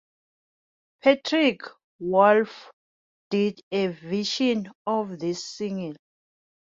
Patrick Wolf did a version of this single.